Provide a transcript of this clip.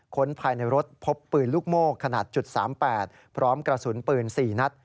ภายในรถพบปืนลูกโม่ขนาด๓๘พร้อมกระสุนปืน๔นัด